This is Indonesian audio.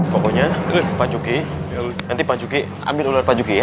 pokoknya pak cuki nanti pak cuki ambil ular pak juki ya